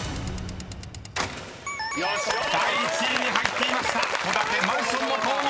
［第１位に入っていました「戸建・マンションの購入」］